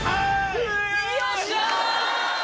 よっしゃ！